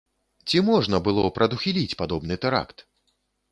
Ці можна было прадухіліць падобны тэракт?